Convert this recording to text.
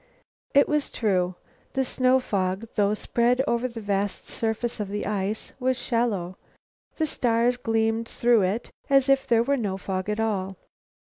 It was true. The snow fog, though spread over the vast surface of the ice, was shallow. The stars gleamed through it as if there were no fog at all.